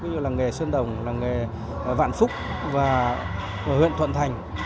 như làng nghề sơn đồng làng nghề vạn phúc và huyện thuận thành